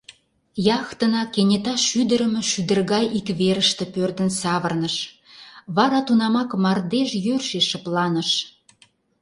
Яхтына кенета шӱдырымӧ шӱдыр гай ик верыште пӧрдын савырныш, вара тунамак мардеж йӧршеш шыпланыш.